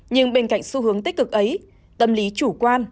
nhưng bên cạnh xu hướng tích cực ấy tâm lý chủ quan